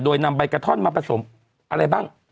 โดยนำใบกระท่อนมาผสมอะไรบ้าง